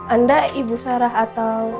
anda ibu sarah atau